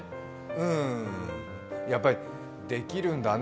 うん、やっぱりできるんだね